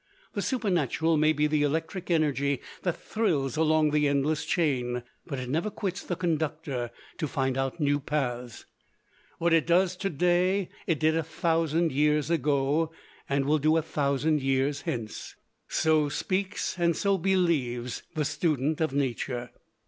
The Supernatural may be the electric energy that thrills along the endless chain, but it never quits the conductor to find out new paths. What it does to day, it did a thousand years ago, and will do a thousand years hence. So speaks and so believes the student of Nature.